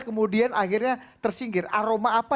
kemudian akhirnya tersingkir aroma apa